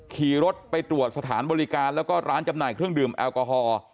ขี่รถไปตรวจสถานบริการแล้วก็ร้านจำหน่ายเครื่องดื่มแอลกอฮอล์